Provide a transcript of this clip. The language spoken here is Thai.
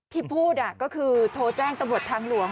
ที่พูดก็คือโทรแจ้งตำรวจทางหลวง